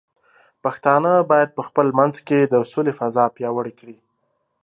پښتانه بايد په خپل منځ کې د سولې فضاء پیاوړې کړي.